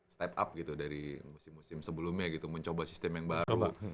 step up gitu dari musim musim sebelumnya gitu mencoba sistem yang baru